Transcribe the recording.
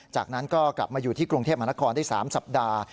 จากนั้นก็กลับมาอยู่ที่กรุงเทพมหานครได้๓สัปดาห์